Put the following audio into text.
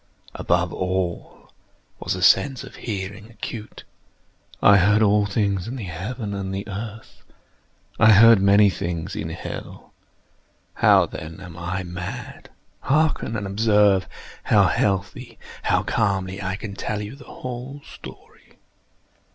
Above all was the sense of hearing acute. I heard all things in the heaven and in the earth. I heard many things in hell. How, then, am I mad? Hearken! and observe how healthily—how calmly I can tell you the whole story.